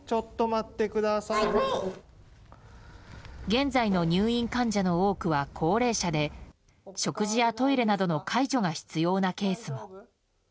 現在の入院患者の多くは高齢者で食事やトイレなどの介助が必要なケースも。